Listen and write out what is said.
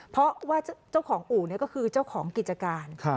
เพราะว่าเจ้าของอู่ก็คือเจ้าของกิจการ